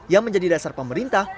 yang menjadi dasar pemerintah